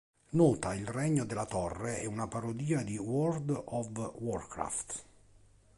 Nota: Il Regno della Torre è una parodia di World of Warcraft.